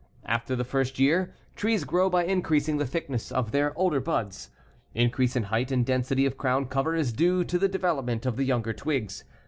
After the first year, trees grow by increasing the thickness of the older buds. Increase in height and density of crown cover is due to the development of the younger twigs.